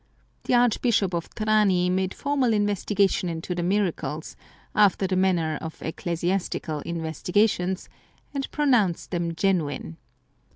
The Archbishop of Trani made formal investigation into the miracles, after the manner of ecclesiastical in vestigations, and pronounced them genuine.